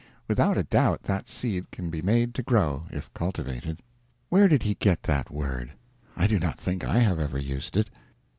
Without a doubt that seed can be made to grow, if cultivated. Where did he get that word? I do not think I have ever used it.